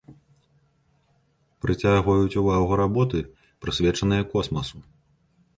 Прыцягваюць увагу работы, прысвечаныя космасу.